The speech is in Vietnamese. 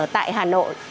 tại hà nội